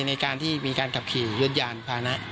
ในการที่มีการขับขี่ยวดยานพานะ